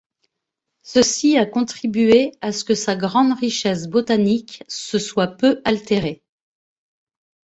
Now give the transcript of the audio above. Ceci a contribué à ce que sa grande richesse botanique se soit peu altérée.